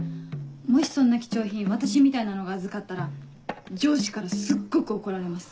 もしそんな貴重品私みたいなのが預かったら上司からすっごく怒られます。